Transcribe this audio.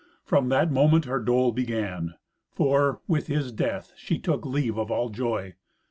From that moment her dole began; for, with his death, she took leave of all joy.